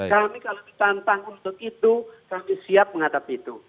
kami kalau ditantang untuk itu kami siap menghadapi itu